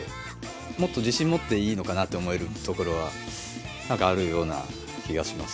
もっと自信持っていいのかなって思えるところは何かあるような気がしますね。